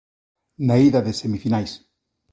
Na ida de semifinais.